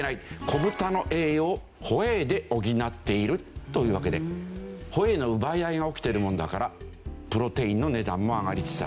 子豚の栄養をホエイで補っているというわけでホエイの奪い合いが起きているもんだからプロテインの値段も上がりつつあるって事なんです。